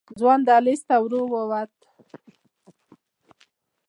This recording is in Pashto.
ځوان دهلېز ته ورو ووت.